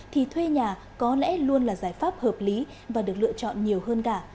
thì thuê nhà có lẽ luôn là giải pháp hợp lý và được lựa chọn nhiều hơn cả